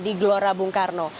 di gelora bung karno